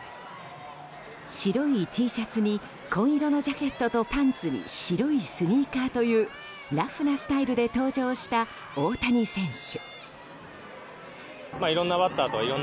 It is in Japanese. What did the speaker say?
白いＴシャツに紺色のジャケットにパンツに白いスニーカーというラフなスタイルで登場した大谷選手。